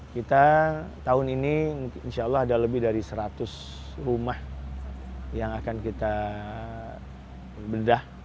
kita tahun ini insya allah ada lebih dari seratus rumah yang akan kita bedah